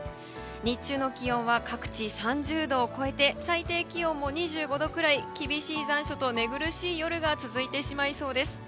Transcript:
日中の気温は各地３０度を超えて最低気温も２５度くらい厳しい残暑と寝苦しい夜が続いてしまいそうです。